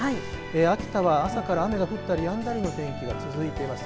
秋田は朝から雨が降ったりやんだりの天気が続いています。